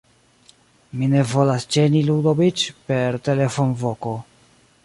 Mi ne volas ĝeni Ludoviĉ per telefonvoko.